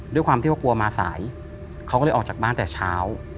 ด้วยความที่ว่ากลัวมาสายเขาก็เลยออกจากบ้านแต่เช้า